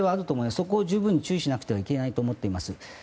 そこを十分注意しなくてはいけないと思っています。